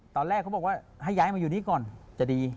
ตอนแรกเขาบอกว่าให้ย้ายมาอยู่นี่ก่อนจะดี